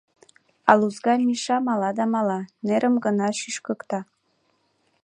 А Лузга Миша мала да мала, нерым гына шӱшкыкта.